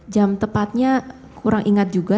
jam tepatnya kurang ingat juga